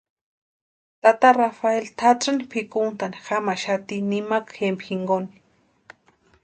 Tata Rafeli tʼatsïni pʼikuntani jamaxati nimakwa jempani jinkoni.